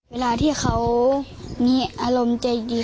เวลาที่เขามีอารมณ์ใจดี